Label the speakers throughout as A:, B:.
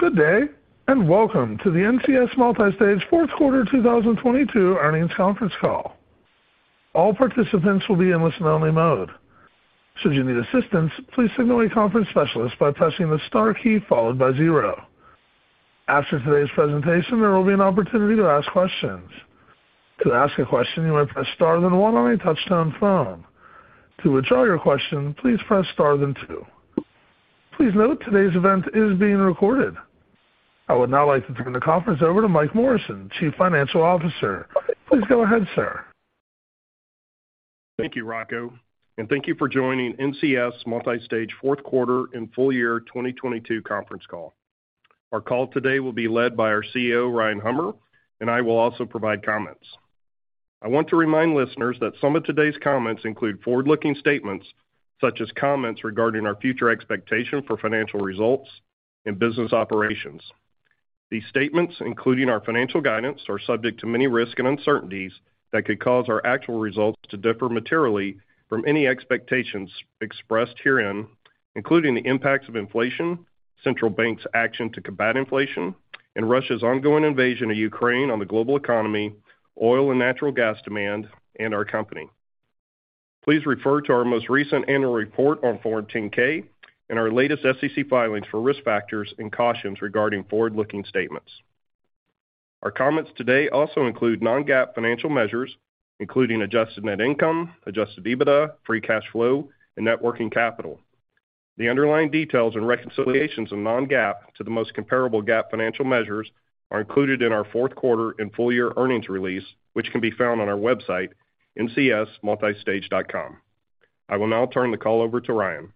A: Good day, and welcome to the NCS Multistage fourth quarter 2022 earnings conference call. All participants will be in listen-only mode. Should you need assistance, please signal a conference specialist by pressing the star key followed by zero. After today's presentation, there will be an opportunity to ask questions. To ask a question, you may press star then one on your touch-tone phone. To withdraw your question, please press star then two. Please note today's event is being recorded. I would now like to turn the conference over to Mike Morrison, Chief Financial Officer. Please go ahead, sir.
B: Thank you, Rocco, and thank you for joining NCS Multistage fourth quarter and full year 2022 conference call. Our call today will be led by our CEO, Ryan Hummer, and I will also provide comments. I want to remind listeners that some of today's comments include forward-looking statements such as comments regarding our future expectation for financial results and business operations. These statements, including our financial guidance, are subject to many risks and uncertainties that could cause our actual results to differ materially from any expectations expressed herein, including the impacts of inflation, central bank's action to combat inflation, and Russia's ongoing invasion of Ukraine on the global economy, oil and natural gas demand, and our company. Please refer to our most recent annual report on Form 10-K and our latest SEC filings for risk factors and cautions regarding forward-looking statements. Our comments today also include non-GAAP financial measures, including adjusted net income, adjusted EBITDA, free cash flow, and net working capital. The underlying details and reconciliations of non-GAAP to the most comparable GAAP financial measures are included in our fourth quarter and full-year earnings release, which can be found on our website, ncsmultistage.com. I will now turn the call over to Ryan.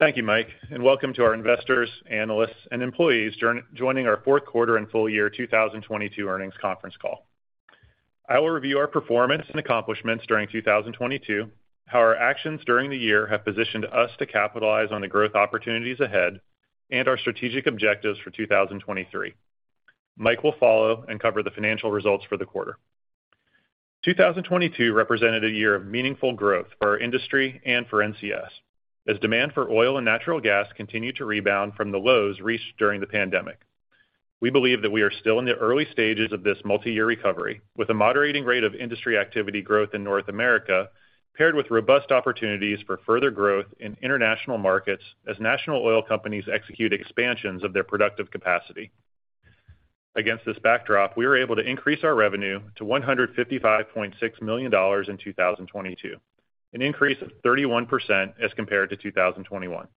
C: Thank you, Mike. Welcome to our investors, analysts, and employees joining our fourth quarter and full year 2022 earnings conference call. I will review our performance and accomplishments during 2022, how our actions during the year have positioned us to capitalize on the growth opportunities ahead and our strategic objectives for 2023. Mike will follow and cover the financial results for the quarter. 2022 represented a year of meaningful growth for our industry and for NCS as demand for oil and natural gas continued to rebound from the lows reached during the pandemic. We believe that we are still in the early stages of this multi-year recovery with a moderating rate of industry activity growth in North America paired with robust opportunities for further growth in international markets as national oil companies execute expansions of their productive capacity. Against this backdrop, we were able to increase our revenue to $155.6 million in 2022, an increase of 31% as compared to 2021,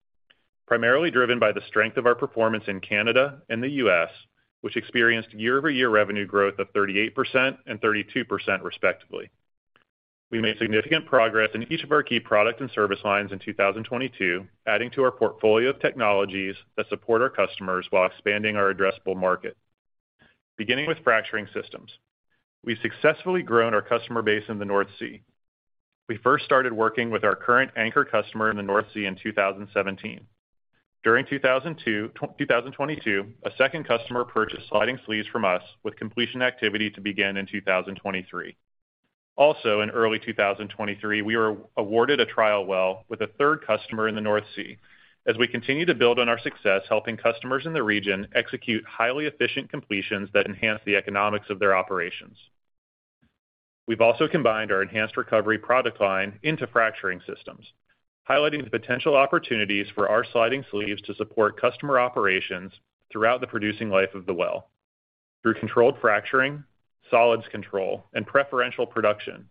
C: primarily driven by the strength of our performance in Canada and the U.S., which experienced year-over-year revenue growth of 38% and 32% respectively. We made significant progress in each of our key product and service lines in 2022, adding to our portfolio of technologies that support our customers while expanding our addressable market. Beginning with fracturing systems, we've successfully grown our customer base in the North Sea. We first started working with our current anchor customer in the North Sea in 2017. During 2022, a second customer purchased sliding sleeves from us with completion activity to begin in 2023. In early 2023, we were awarded a trial well with a third customer in the North Sea as we continue to build on our success helping customers in the region execute highly efficient completions that enhance the economics of their operations. We've also combined our enhanced recovery product line into fracturing systems, highlighting the potential opportunities for our sliding sleeves to support customer operations throughout the producing life of the well through controlled fracturing, solids control, and preferential production.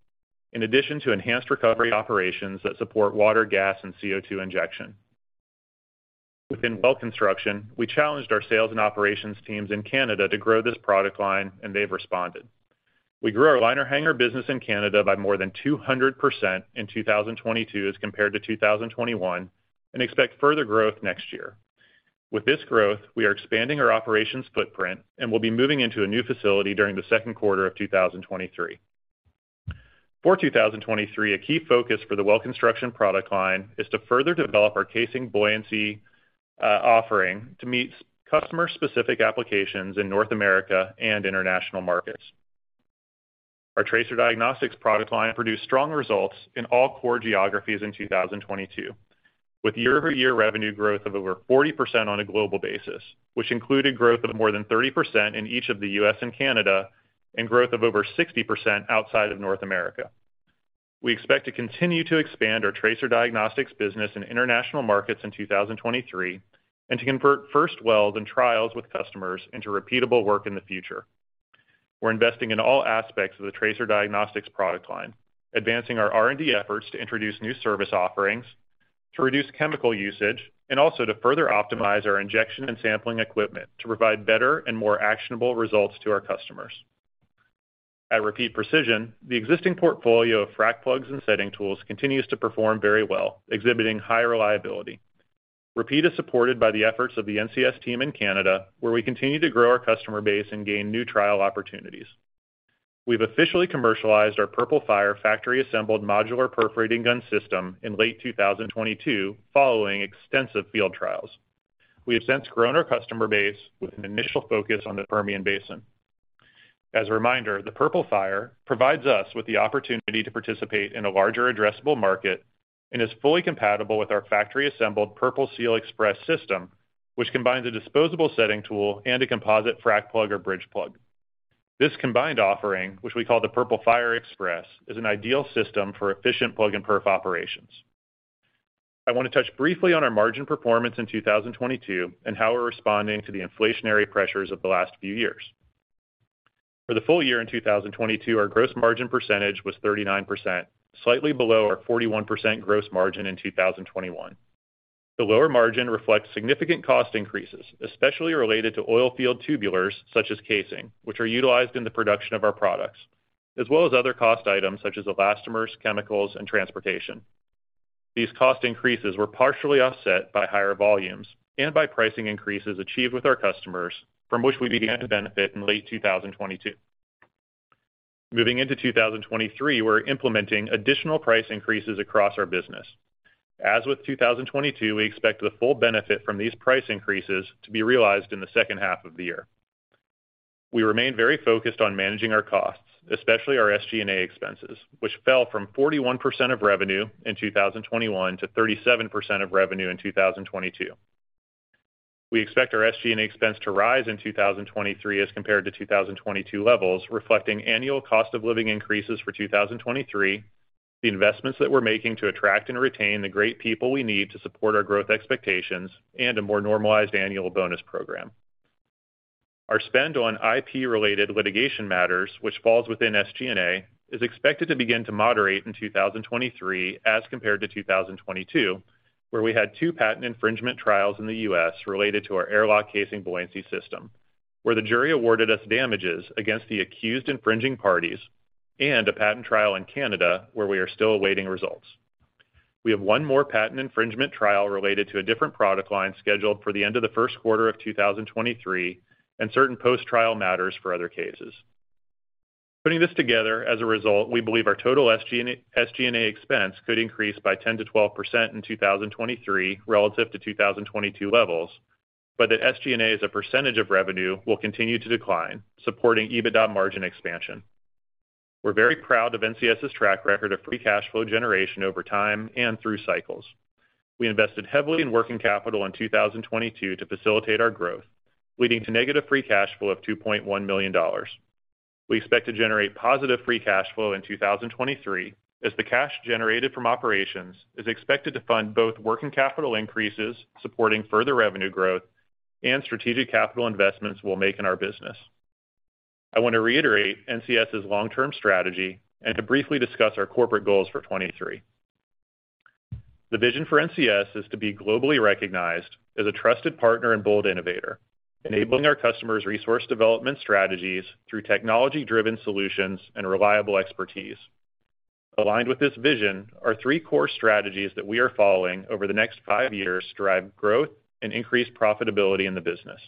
C: In addition to Enhanced Recovery operations that support water, gas, and CO₂ injection. Within Well Construction, we challenged our sales and operations teams in Canada to grow this product line. They've responded. We grew our liner hanger business in Canada by more than 200% in 2022 as compared to 2021. Expect further growth next year. With this growth, we are expanding our operations footprint and will be moving into a new facility during the second quarter of 2023. For 2023, a key focus for the Well Construction product line is to further develop our casing buoyancy offering to meet customer-specific applications in North America and international markets. Our Tracer Diagnostics product line produced strong results in all core geographies in 2022, with year-over-year revenue growth of over 40% on a global basis, which included growth of more than 30% in each of the U.S. and Canada and growth of over 60% outside of North America. We expect to continue to expand our Tracer Diagnostics business in international markets in 2023 and to convert first wells and trials with customers into repeatable work in the future. We're investing in all aspects of the Tracer Diagnostics product line, advancing our R&D efforts to introduce new service offerings to reduce chemical usage and also to further optimize our injection and sampling equipment to provide better and more actionable results to our customers. At Repeat Precision, the existing portfolio of frac plugs and setting tools continues to perform very well, exhibiting high reliability. Repeat is supported by the efforts of the NCS team in Canada, where we continue to grow our customer base and gain new trial opportunities. We've officially commercialized our PurpleFire factory-assembled modular perforating gun system in late 2022 following extensive field trials. We have since grown our customer base with an initial focus on the Permian Basin. As a reminder, the PurpleFire provides us with the opportunity to participate in a larger addressable market and is fully compatible with our factory-assembled PurpleSeal Express system, which combines a disposable setting tool and a composite frac plug or bridge plug. This combined offering, which we call the PurpleFire Express, is an ideal system for efficient plug and perf operations. I want to touch briefly on our margin performance in 2022 and how we're responding to the inflationary pressures of the last few years. For the full year in 2022, our gross margin percentage was 39%, slightly below our 41% gross margin in 2021. The lower margin reflects significant cost increases, especially related to oilfield tubulars, such as casing, which are utilized in the production of our products, as well as other cost items such as elastomers, chemicals, and transportation. These cost increases were partially offset by higher volumes and by pricing increases achieved with our customers from which we began to benefit in late 2022. Moving into 2023, we're implementing additional price increases across our business. As with 2022, we expect the full benefit from these price increases to be realized in the second half of the year. We remain very focused on managing our costs, especially our SG&A expenses, which fell from 41% of revenue in 2021 to 37% of revenue in 2022. We expect our SG&A expense to rise in 2023 as compared to 2022 levels, reflecting annual cost of living increases for 2023, the investments that we're making to attract and retain the great people we need to support our growth expectations, and a more normalized annual bonus program. Our spend on IP-related litigation matters, which falls within SG&A, is expected to begin to moderate in 2023 as compared to 2022, where we had two patent infringement trials in the U.S. related to our AirLock casing buoyancy system, where the jury awarded us damages against the accused infringing parties, and a patent trial in Canada where we are still awaiting results. We have one more patent infringement trial related to a different product line scheduled for the end of the first quarter of 2023, and certain post-trial matters for other cases. Putting this together, as a result, we believe our total SG&A expense could increase by 10%-12% in 2023 relative to 2022 levels, but that SG&A, as a percentage of revenue, will continue to decline, supporting EBITDA margin expansion. We're very proud of NCS's track record of free cash flow generation over time and through cycles. We invested heavily in working capital in 2022 to facilitate our growth, leading to negative free cash flow of $2.1 million. We expect to generate positive free cash flow in 2023 as the cash generated from operations is expected to fund both working capital increases, supporting further revenue growth, and strategic capital investments we'll make in our business. I want to reiterate NCS's long-term strategy and to briefly discuss our corporate goals for 23. The vision for NCS is to be globally recognized as a trusted partner and bold innovator, enabling our customers' resource development strategies through technology-driven solutions and reliable expertise. Aligned with this vision are 3 core strategies that we are following over the next 5 years to drive growth and increase profitability in the business.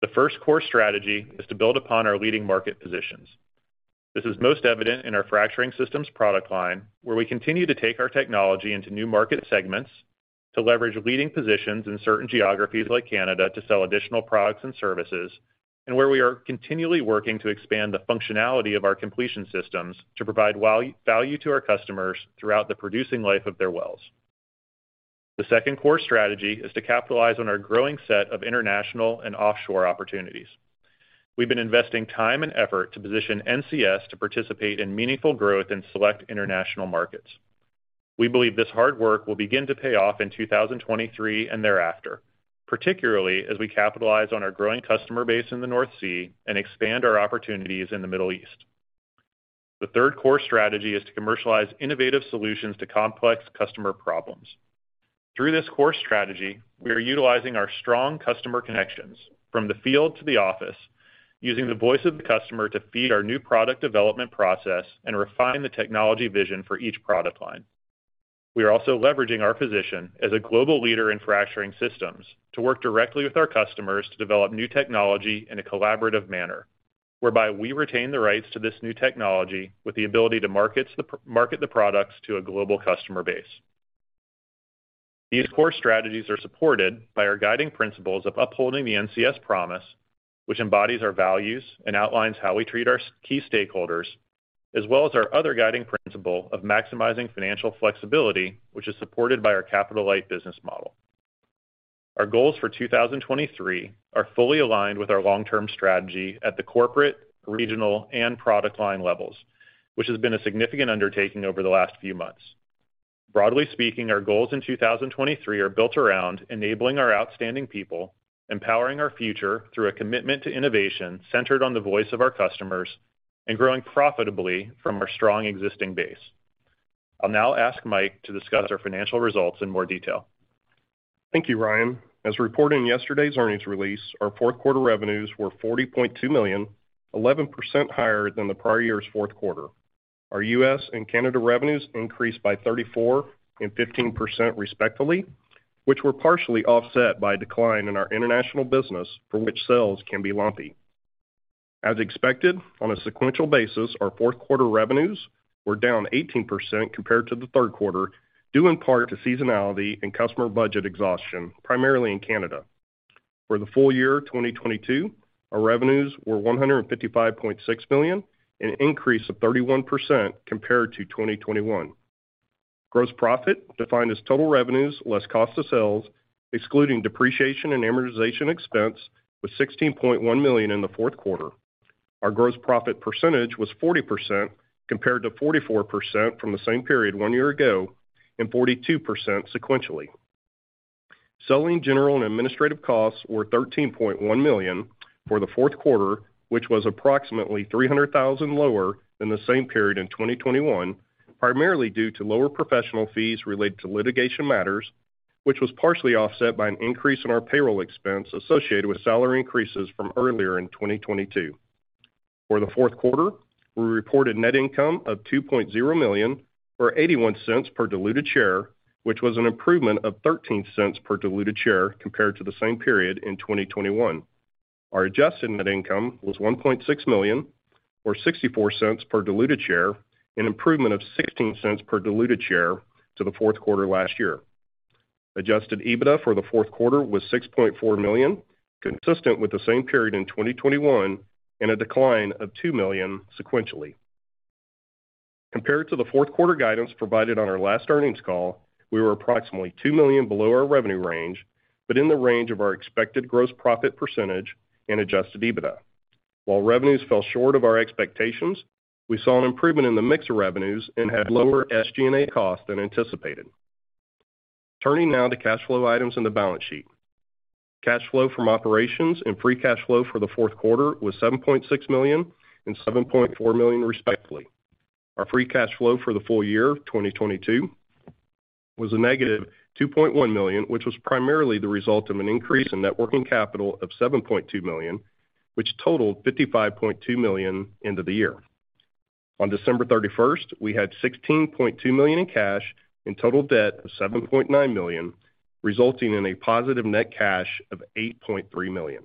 C: The first core strategy is to build upon our leading market positions. This is most evident in our fracturing systems product line, where we continue to take our technology into new market segments to leverage leading positions in certain geographies like Canada to sell additional products and services, and where we are continually working to expand the functionality of our completion systems to provide value to our customers throughout the producing life of their wells. The second core strategy is to capitalize on our growing set of international and offshore opportunities. We've been investing time and effort to position NCS to participate in meaningful growth in select international markets. We believe this hard work will begin to pay off in 2023 and thereafter, particularly as we capitalize on our growing customer base in the North Sea and expand our opportunities in the Middle East. The third core strategy is to commercialize innovative solutions to complex customer problems. Through this core strategy, we are utilizing our strong customer connections from the field to the office, using the voice of the customer to feed our new product development process and refine the technology vision for each product line. We are also leveraging our position as a global leader in fracturing systems to work directly with our customers to develop new technology in a collaborative manner, whereby we retain the rights to this new technology with the ability to market the products to a global customer base. These core strategies are supported by our guiding principles of upholding the NCS promise, which embodies our values and outlines how we treat our key stakeholders, as well as our other guiding principle of maximizing financial flexibility, which is supported by our capital-light business model. Our goals for 2023 are fully aligned with our long-term strategy at the corporate, regional, and product line levels, which has been a significant undertaking over the last few months. Broadly speaking, our goals in 2023 are built around enabling our outstanding people, empowering our future through a commitment to innovation centered on the voice of our customers, and growing profitably from our strong existing base. I'll now ask Mike to discuss our financial results in more detail.
B: Thank you, Ryan. As reported in yesterday's earnings release, our fourth quarter revenues were $40.2 million, 11% higher than the prior year's fourth quarter. Our U.S. and Canada revenues increased by 34% and 15% respectively, which were partially offset by a decline in our international business, for which sales can be lumpy. As expected, on a sequential basis, our fourth quarter revenues were down 18% compared to the third quarter, due in part to seasonality and customer budget exhaustion, primarily in Canada. For the full year, 2022, our revenues were $155.6 million, an increase of 31% compared to 2021. Gross profit, defined as total revenues less cost of sales, excluding depreciation and amortization expense, was $16.1 million in the fourth quarter. Our gross profit percentage was 40% compared to 44% from the same period one year ago and 42% sequentially. Selling, general and administrative costs were $13.1 million for the fourth quarter, which was approximately $300,000 lower than the same period in 2021, primarily due to lower professional fees related to litigation matters, which was partially offset by an increase in our payroll expense associated with salary increases from earlier in 2022. For the fourth quarter, we reported net income of $2.0 million or $0.81 per diluted share, which was an improvement of $0.13 per diluted share compared to the same period in 2021. Our adjusted net income was $1.6 million or $0.64 per diluted share, an improvement of $0.16 per diluted share to the fourth quarter last year. Adjusted EBITDA for the fourth quarter was $6.4 million, consistent with the same period in 2021 and a decline of $2 million sequentially. Compared to the fourth quarter guidance provided on our last earnings call, we were approximately $2 million below our revenue range, but in the range of our expected gross profit percentage and adjusted EBITDA. While revenues fell short of our expectations, we saw an improvement in the mix of revenues and had lower SG&A costs than anticipated. Turning now to cash flow items in the balance sheet. Cash flow from operations and free cash flow for the fourth quarter was $7.6 million and $7.4 million, respectively. Our free cash flow for the full year of 2022 was a negative $2.1 million, which was primarily the result of an increase in net working capital of $7.2 million, which totaled $55.2 million into the year. On December 31st, we had $16.2 million in cash and total debt of $7.9 million, resulting in a positive net cash of $8.3 million.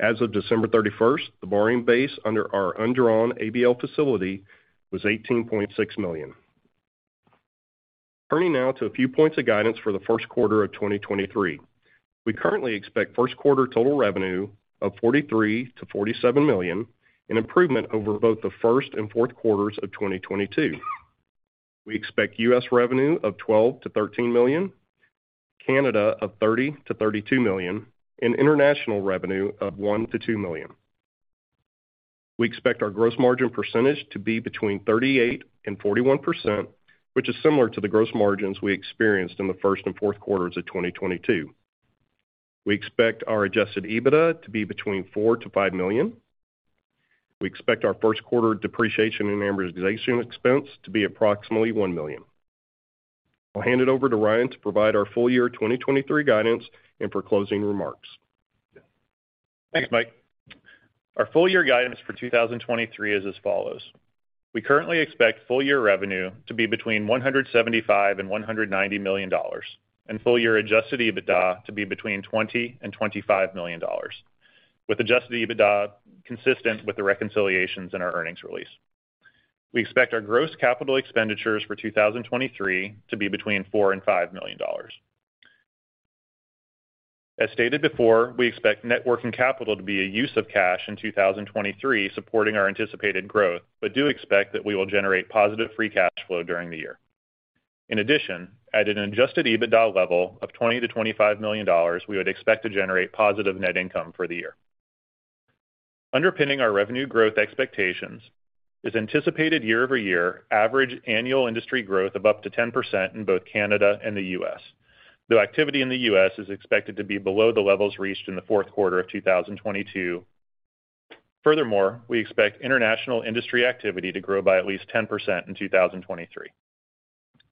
B: As of December 31st, the borrowing base under our undrawn ABL facility was $18.6 million. Now to a few points of guidance for the first quarter of 2023. We currently expect first quarter total revenue of $43 million-$47 million, an improvement over both the first and fourth quarters of 2022. We expect US revenue of $12 million-$13 million, Canada of $30 million-$32 million, and international revenue of $1 million-$2 million. We expect our gross margin % to be between 38% and 41%, which is similar to the gross margins we experienced in the first and fourth quarters of 2022. We expect our adjusted EBITDA to be between $4 million and $5 million. We expect our first quarter depreciation and amortization expense to be approximately $1 million. I'll hand it over to Ryan to provide our full year 2023 guidance and for closing remarks.
C: Thanks, Mike. Our full year guidance for 2023 is as follows. We currently expect full year revenue to be between $175 million and $190 million and full year adjusted EBITDA to be between $20 million and $25 million, with adjusted EBITDA consistent with the reconciliations in our earnings release. We expect our gross capital expenditures for 2023 to be between $4 million and $5 million. As stated before, we expect net working capital to be a use of cash in 2023 supporting our anticipated growth, but do expect that we will generate positive free cash flow during the year. In addition, at an adjusted EBITDA level of $20 million to $25 million, we would expect to generate positive net income for the year. Underpinning our revenue growth expectations is anticipated year-over-year average annual industry growth of up to 10% in both Canada and the U.S., though activity in the U.S. is expected to be below the levels reached in the fourth quarter of 2022. Furthermore, we expect international industry activity to grow by at least 10% in 2023.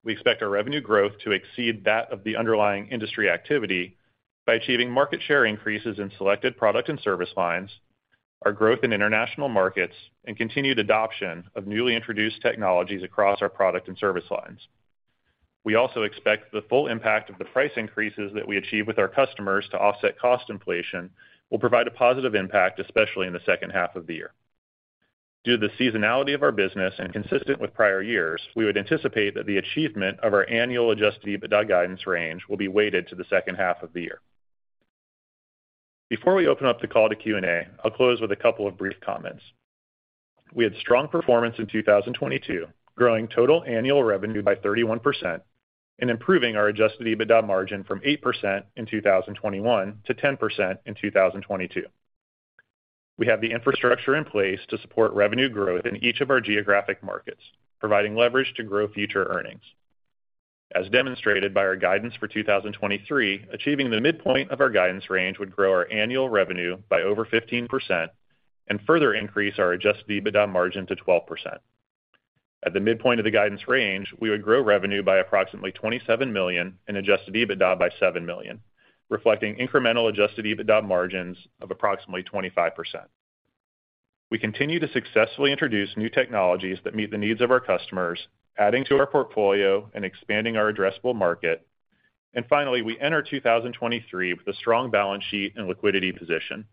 C: We expect our revenue growth to exceed that of the underlying industry activity by achieving market share increases in selected product and service lines, our growth in international markets, and continued adoption of newly introduced technologies across our product and service lines. We also expect the full impact of the price increases that we achieve with our customers to offset cost inflation will provide a positive impact, especially in the second half of the year. Due to the seasonality of our business and consistent with prior years, we would anticipate that the achievement of our annual adjusted EBITDA guidance range will be weighted to the second half of the year. Before we open up the call to Q&A, I'll close with a couple of brief comments. We had strong performance in 2022, growing total annual revenue by 31% and improving our adjusted EBITDA margin from 8% in 2021 to 10% in 2022. We have the infrastructure in place to support revenue growth in each of our geographic markets, providing leverage to grow future earnings. As demonstrated by our guidance for 2023, achieving the midpoint of our guidance range would grow our annual revenue by over 15% and further increase our adjusted EBITDA margin to 12%. At the midpoint of the guidance range, we would grow revenue by approximately $27 million and adjusted EBITDA by $7 million, reflecting incremental adjusted EBITDA margins of approximately 25%. We continue to successfully introduce new technologies that meet the needs of our customers, adding to our portfolio and expanding our addressable market. Finally, we enter 2023 with a strong balance sheet and liquidity position,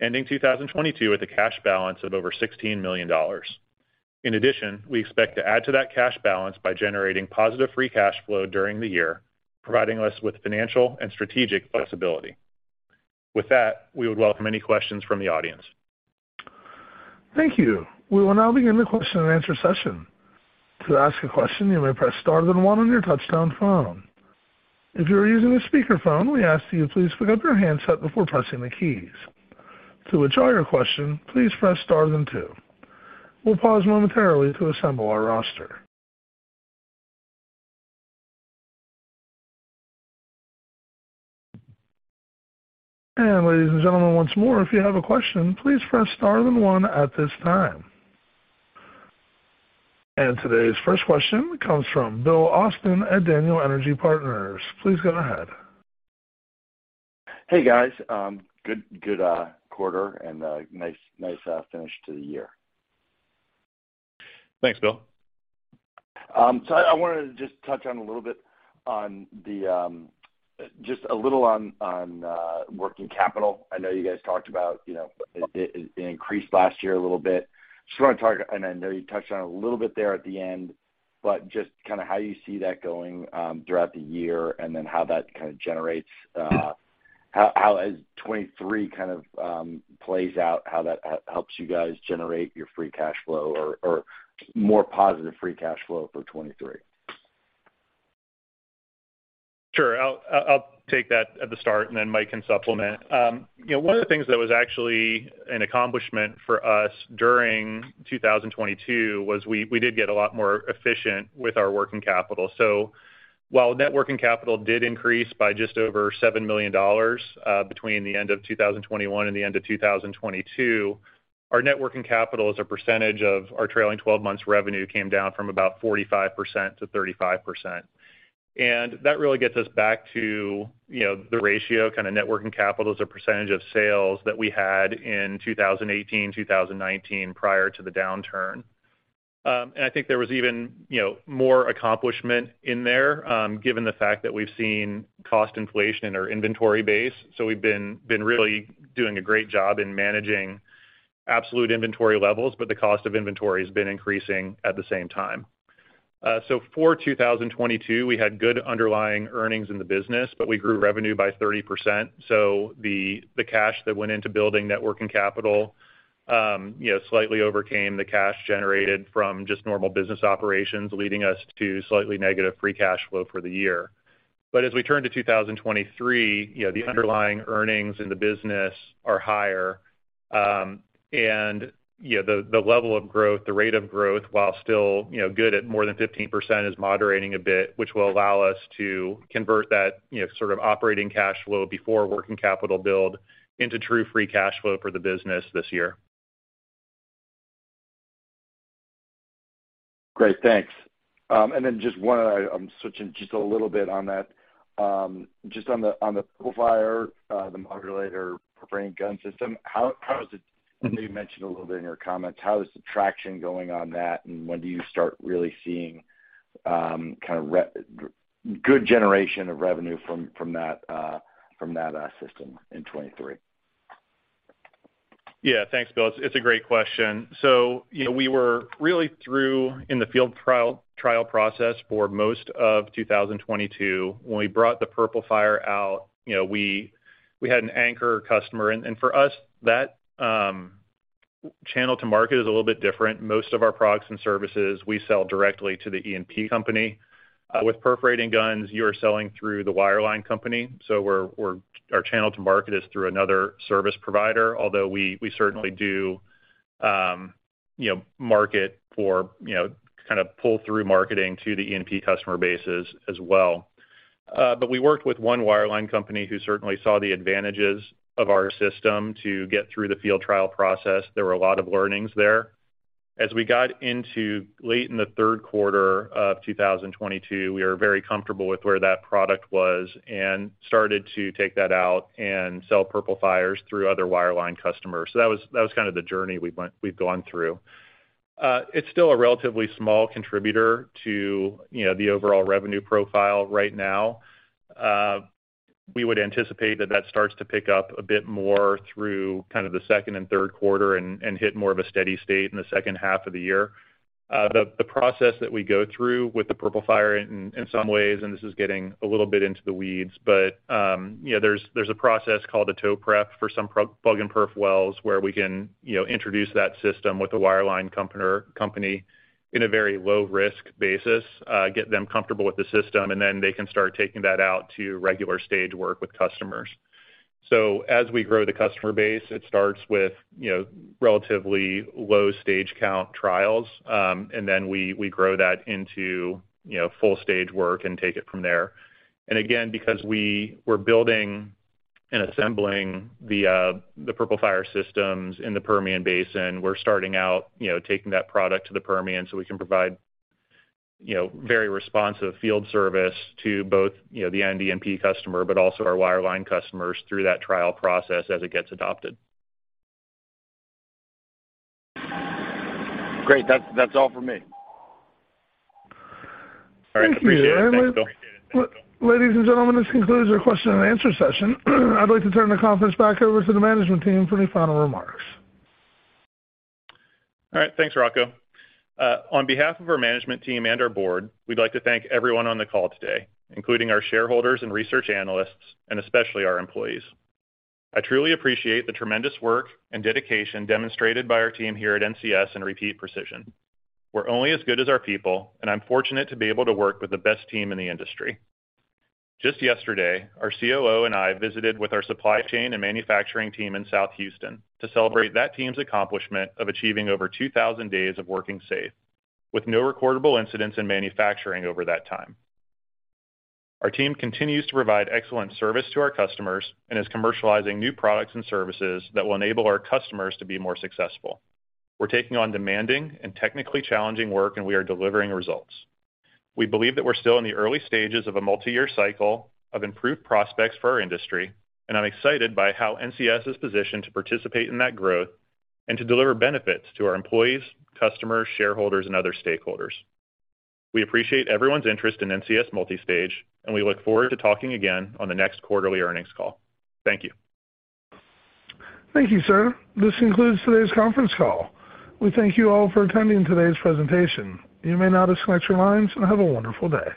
C: ending 2022 with a cash balance of over $16 million. In addition, we expect to add to that cash balance by generating positive free cash flow during the year, providing us with financial and strategic flexibility. With that, we would welcome any questions from the audience.
A: Thank you. We will now begin the question and answer session. To ask a question, you may press star then one on your touchtone phone. If you are using a speaker phone, we ask that you please pick up your handset before pressing the keys. To withdraw your question, please press star then two. We'll pause momentarily to assemble our roster. Ladies and gentlemen, once more, if you have a question, please press star then one at this time. Today's first question comes from Bill Austin at Daniel Energy Partners. Please go ahead.
D: Hey, guys. good quarter and nice finish to the year.
C: Thanks, Bill.
D: I wanted to just touch on a little bit on the, just a little on working capital. I know you guys talked about, you know, it increased last year a little bit. I know you touched on it a little bit there at the end, but just kinda how you see that going throughout the year, and then how that kinda generates how as 2023 kind of plays out, how that helps you guys generate your free cash flow or more positive free cash flow for 2023?
C: Sure. I'll take that at the start, then Mike can supplement. You know, one of the things that was actually an accomplishment for us during 2022 was we did get a lot more efficient with our net working capital. While net working capital did increase by just over $7 million between the end of 2021 and the end of 2022, our net working capital as a percentage of our trailing 12 months revenue came down from about 45% to 35%. That really gets us back to, you know, the ratio, kinda net working capital as a percentage of sales that we had in 2018, 2019 prior to the downturn. I think there was even, you know, more accomplishment in there, given the fact that we've seen cost inflation in our inventory base. We've been really doing a great job in managing absolute inventory levels, but the cost of inventory has been increasing at the same time. For 2022, we had good underlying earnings in the business, but we grew revenue by 30%, so the cash that went into building net working capital, you know, slightly overcame the cash generated from just normal business operations, leading us to slightly negative free cash flow for the year. As we turn to 2023, you know, the underlying earnings in the business are higher, and you know, the level of growth, the rate of growth, while still, you know, good at more than 15% is moderating a bit, which will allow us to convert that, you know, sort of operating cash flow before working capital build into true free cash flow for the business this year.
D: Great. Thanks. Then just one other, switching just a little bit on that. Just on the PurpleFire, the modulator perforating gun system, I know you mentioned a little bit in your comments, how is the traction going on that, and when do you start really seeing kinda good generation of revenue from that system in 2023?
C: Yeah. Thanks, Bill. It's a great question. You know, we were really through in the field trial process for most of 2022. When we brought the PurpleFire out, you know, we had an anchor customer. For us, that channel to market is a little bit different. Most of our products and services we sell directly to the E&P company. With perforating guns, you are selling through the wireline company, so we're, our channel to market is through another service provider, although we certainly do, you know, market for, you know, kinda pull through marketing to the E&P customer bases as well. We worked with one wireline company who certainly saw the advantages of our system to get through the field trial process. There were a lot of learnings there. As we got into late in the third quarter of 2022, we were very comfortable with where that product was and started to take that out and sell PurpleFires through other wireline customers. That was kind of the journey we've gone through. It's still a relatively small contributor to, you know, the overall revenue profile right now. We would anticipate that that starts to pick up a bit more through kind of the second and third quarter and hit more of a steady state in the second half of the year. The process that we go through with the PurpleFire in some ways, and this is getting a little bit into the weeds, but, you know, there's a process called a toe prep for some plug and perf wells where we can, you know, introduce that system with a wireline company or company in a very low risk basis, get them comfortable with the system, and then they can start taking that out to regular stage work with customers. As we grow the customer base, it starts with, you know, relatively low stage count trials, and then we grow that into, you know, full stage work and take it from there. Again, because we were building and assembling the PurpleFire systems in the Permian Basin, we're starting out, you know, taking that product to the Permian so we can provide, you know, very responsive field service to both, you know, the E&P customer, but also our wireline customers through that trial process as it gets adopted.
D: Great. That's all for me.
C: All right. Appreciate it.
A: Thank you.
C: Thanks, Bill.
A: Ladies and gentlemen, this concludes our question and answer session. I'd like to turn the conference back over to the management team for any final remarks.
C: All right. Thanks, Rocco. On behalf of our management team and our board, we'd like to thank everyone on the call today, including our shareholders and research analysts, and especially our employees. I truly appreciate the tremendous work and dedication demonstrated by our team here at NCS and Repeat Precision. We're only as good as our people, and I'm fortunate to be able to work with the best team in the industry. Just yesterday, our COO and I visited with our supply chain and manufacturing team in South Houston to celebrate that team's accomplishment of achieving over 2,000 days of working safe with no recordable incidents in manufacturing over that time. Our team continues to provide excellent service to our customers and is commercializing new products and services that will enable our customers to be more successful. We're taking on demanding and technically challenging work, and we are delivering results. We believe that we're still in the early stages of a multi-year cycle of improved prospects for our industry, and I'm excited by how NCS is positioned to participate in that growth and to deliver benefits to our employees, customers, shareholders, and other stakeholders. We appreciate everyone's interest in NCS Multistage, and we look forward to talking again on the next quarterly earnings call. Thank you.
A: Thank you, sir. This concludes today's conference call. We thank you all for attending today's presentation. You may now disconnect your lines, and have a wonderful day.